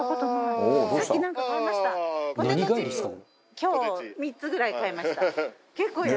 今日３つぐらい買いました。